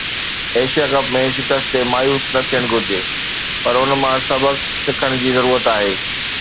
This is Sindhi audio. ايشيا ڪپ ۾ شڪست تي مايوس نه ٿيڻ گهرجي پر ان مان سبق سکڻ جي ضرورت آهي